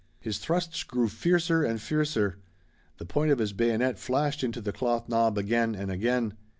His thrusts grew fiercer and fiercer. The point of his bayonet flashed into the cloth knob again and again.